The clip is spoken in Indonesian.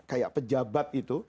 kayak pejabat itu